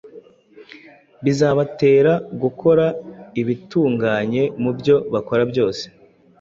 bizabatera gukora ibitunganye mu byo bakora byose.